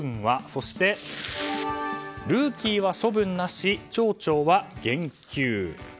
そして、ルーキ−は処分なし町長は減給。